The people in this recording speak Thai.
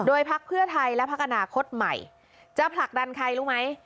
พักเพื่อไทยและพักอนาคตใหม่จะผลักดันใครรู้ไหม